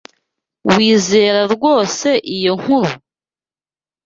Wizera rwose iyo nkuru?